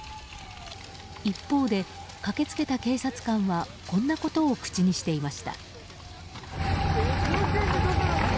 一方で駆けつけた警察官はこんなことを口にしていました。